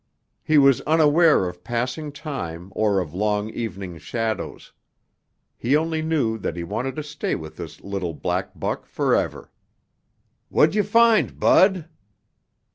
He was unaware of passing time or of long evening shadows. He only knew that he wanted to stay with this little black buck forever. "What'd you find, Bud?"